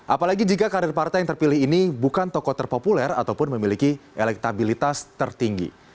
apalagi jika karir partai yang terpilih ini bukan tokoh terpopuler ataupun memiliki elektabilitas tertinggi